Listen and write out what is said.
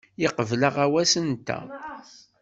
Yeqbel aɣawas-nteɣ.